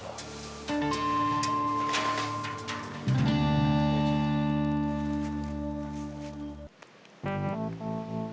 jangan cakap katanya